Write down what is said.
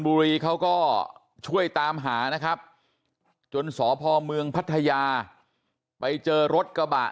เขาก็ช่วยตามหานะครับจนสพเมืองพัทยาไปเจอรถกระบะ